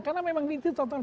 karena memang itu tonton